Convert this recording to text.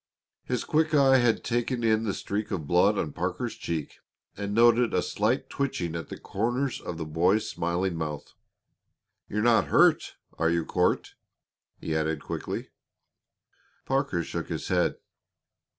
His quick eye had taken in the streak of blood on Parker's cheek and noted a slight twitching at the corners of the boy's smiling mouth. "You're not hurt, are you, Court?" he added quickly. Parker shook his head.